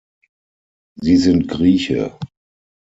Sie sind Grieche.